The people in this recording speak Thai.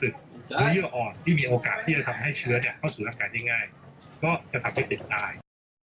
ก็จะทำให้ติดตาย